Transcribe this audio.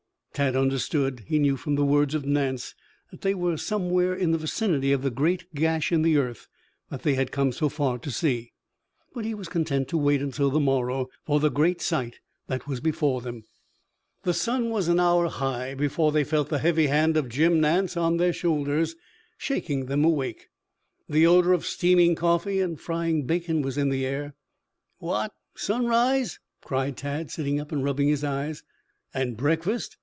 Tad understood. He knew from the words of Nance that they were somewhere in the vicinity of the great gash in the earth that they had come so far to see. But he was content to wait until the morrow for the great sight that was before them. The sun was an hour high before they felt the heavy hand of Jim Nance on their shoulders shaking them awake. The odor of steaming coffee and frying bacon was in the air. "What sunrise?" cried Tad, sitting up and rubbing his eyes. "And breakfast?"